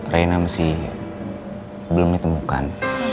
reina masih belum ditemukan